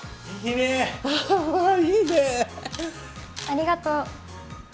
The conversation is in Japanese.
ありがとう